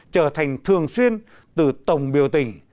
trở thành thường xuyên từ tổng biểu tình